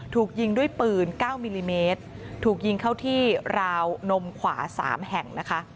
ถูกยิงด้วยปืน๙มิลลิเมตรถูกยิงเข้าที่ราวนมขวา๓แห่งนะคะ